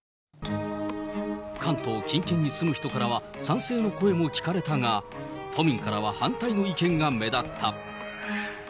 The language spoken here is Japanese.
関東近県に住む人からは賛成の声も聞かれたが、都民からは反対の意見が目立った。